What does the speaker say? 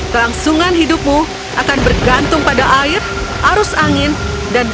terlangsungan hidupmu akan bergantung pada air arus air dan air